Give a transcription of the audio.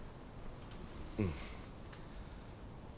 うん。